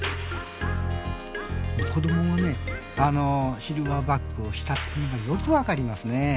子供がシルバーバックを慕っているのがよく分かりますね。